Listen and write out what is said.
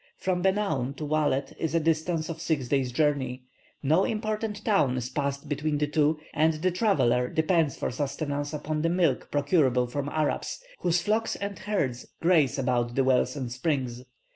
From Benown to Walet is a distance of six days' journey. No important town is passed between the two, and the traveller depends for sustenance upon the milk procurable from Arabs, whose flocks and herds graze about the wells and springs.